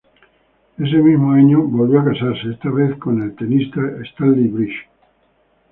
Ese mismo año volvió a casarse, esta vez con el tenista Stanley Briggs.